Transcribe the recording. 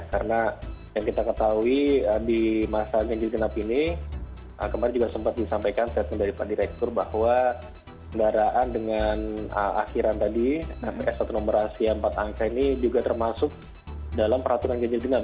karena yang kita ketahui di masa janggil genap ini kemarin juga sempat disampaikan saya sendiri dari pak direktur bahwa kendaraan dengan akhiran tadi rfs atau nomor rahasia empat angka ini juga termasuk dalam peraturan janggil genap